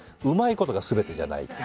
うまいことがすべてじゃない。